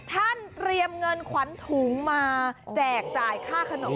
เตรียมเงินขวัญถุงมาแจกจ่ายค่าขนม